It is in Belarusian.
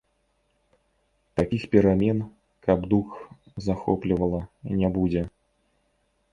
Такіх перамен, каб дух захоплівала, не будзе.